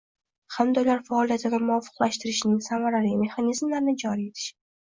hamda ular faoliyatini muvofiqlashtirishning samarali mexanizmlarini joriy etish